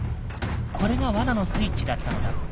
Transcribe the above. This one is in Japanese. これが罠のスイッチだったのだ。